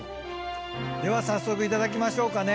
では早速いただきましょうかね。